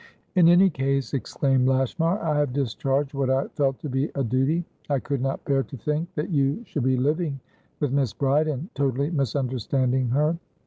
"In any case," exclaimed Lashmar, "I have discharged what I felt to be a duty. I could not bear to think that you should be living with Miss Bride, and totally misunderstanding her.